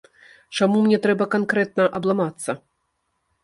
Чаму мне трэба канкрэтна абламацца?